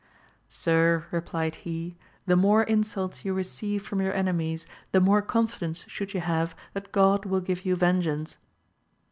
Sir, replied he, the more insults you receive from your enemies the more confidence should you have that God will give you vengeance.